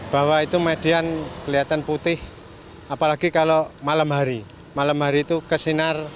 bahwa itu median kelihatan putih apalagi kalau malam hari malam hari itu kesinar